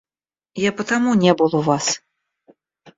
Я потому не был у вас.